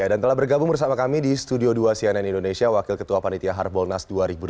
dan telah bergabung bersama kami di studio dua cnn indonesia wakil ketua panitia harbolnas dua ribu delapan belas